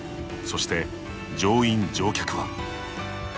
そして、乗員・乗客は。